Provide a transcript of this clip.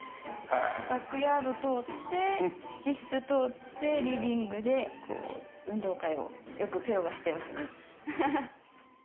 バックヤード通って父室通ってリビングでこう運動会をよくペロがしてます。